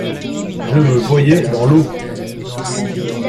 Je me voyais dans l’eau.